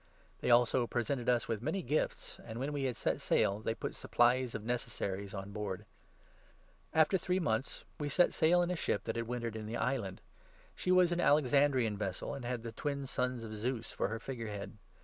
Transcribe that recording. They also presented us with many ic gifts, and when we set sail they put supplies of necessaries on board. Paul's vo age After three months, we set sail in a ship that n to Rome had wintered in the island. She was an Alexan continued. dr;an vessel, and had the Twin Sons of Zeus for her figure head.